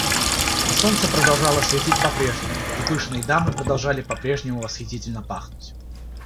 А солнце продолжало светить по-прежнему, и пышные дамы продолжали по-прежнему восхитительно пахнуть.